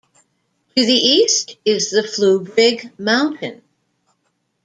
To the east is the Fluebrig mountain.